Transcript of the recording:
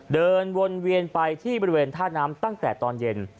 เดินวนเวียนไปที่บริเวณท่าน้ำตั้งแต่ตอนเย็น